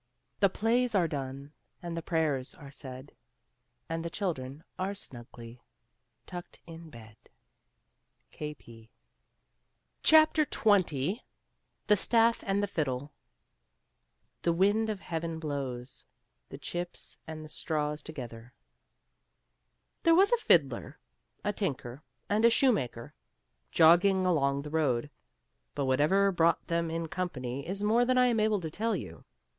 The Plays are done ,^ And the /V^erj are said. And the Chdefren are snugly Tucked inBeei. kj». J XX. ^ffE wind of heaven blows the chips and the straws to gether. There was a fiddler, a tinker, and a shoemaker jogging along the road, but whatever brought them in company is more than I am able to tell you.